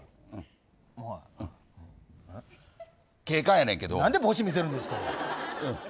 警官なんやけどなんで帽子見せるんですか。